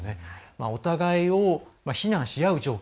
お互いを非難し合う状況。